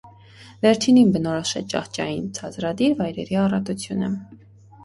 Վերջինին բնորոշ է ճահճային ցածրադիր վայրերի առատությունը։